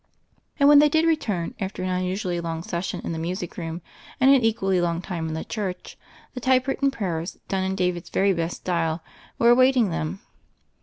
And when they did return, after an unusually long session in the music room and an equally long time in the church, the typewritten prayers, done in David's very best style, were awaiting them.